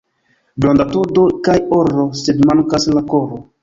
Granda doto kaj oro, sed mankas la koro.